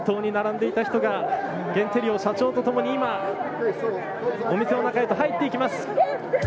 先頭に並んでいた人が社長とともに今お店の中へと入っていきます。